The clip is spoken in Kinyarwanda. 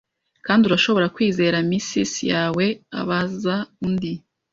“Kandi urashobora kwizera missis yawe?” abaza undi.